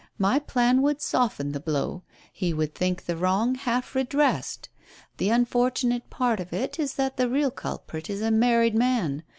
My plan would soften the blow; he would think the wrong half redressed. The unfortunate part of it is that the real culprit is a married man.